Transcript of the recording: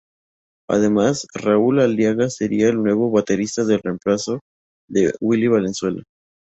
Además Raul Aliaga sería el nuevo baterista en reemplazo de Willy Valenzuela.